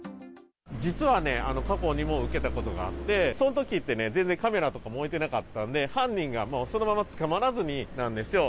実はね、過去にも受けたことがあって、そのときってね、全然カメラとかも置いてなかったんで、犯人が、そのまま捕まらずになんですよ。